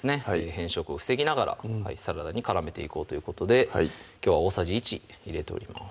変色を防ぎながらサラダに絡めていこうということできょうは大さじ１入れております